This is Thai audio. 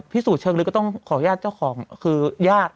สูจนเชิงลึกก็ต้องขออนุญาตเจ้าของคือญาติ